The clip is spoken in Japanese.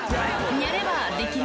やればできる！